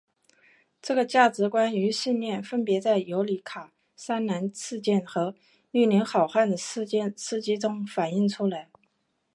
这个价值观与信念分别在尤里卡栅栏事件和绿林好汉的事迹中反映出来。